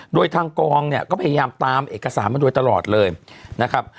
โดยทางกองเนี่ยก็พยายามตามเอกสารมาโดยตลอดเลยนะครับ